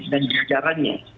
dan di acaranya